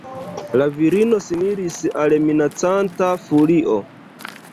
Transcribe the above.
La virino similis al minacanta furio.